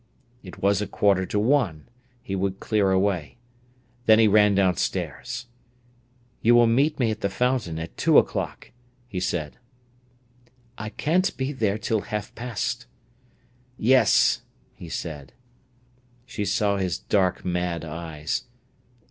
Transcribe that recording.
It was a quarter to one; he could clear away. Then he ran downstairs. "You will meet me at the Fountain at two o'clock," he said. "I can't be there till half past." "Yes!" he said. She saw his dark, mad eyes.